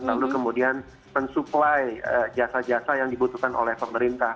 lalu kemudian mensuplai jasa jasa yang dibutuhkan oleh pemerintah